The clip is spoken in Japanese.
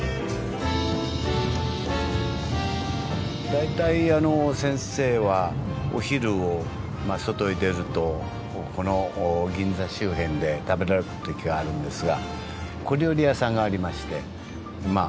だいたい先生はお昼を外へ出るとこの銀座周辺で食べられるときがあるんですが小料理屋さんがありまして。